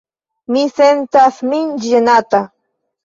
Mi sentas min ĝenata.